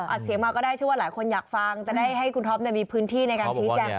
เสียงมาก็ได้ชื่อว่าหลายคนอยากฟังจะได้ให้คุณท็อปมีพื้นที่ในการชี้แจง